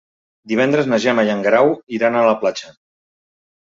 Divendres na Gemma i en Guerau iran a la platja.